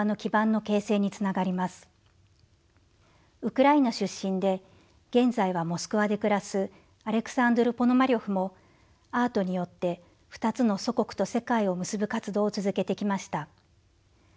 ウクライナ出身で現在はモスクワで暮らすアレクサンドル・ポノマリョフもアートによって２つの祖国と世界を結ぶ活動を続けてきました。